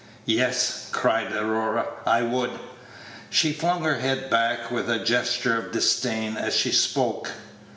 "Yes," cried Aurora, "I would!" she flung her head back with a gesture of disdain as she spoke.